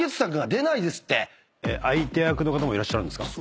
相手役もいらっしゃるんですか。